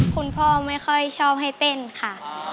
คุณพ่อไม่ค่อยชอบให้เต้นค่ะ